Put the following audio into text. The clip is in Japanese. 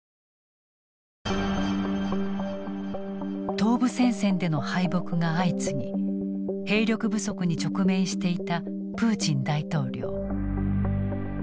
東部戦線での敗北が相次ぎ兵力不足に直面していたプーチン大統領。